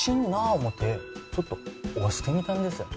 思てちょっと押してみたんです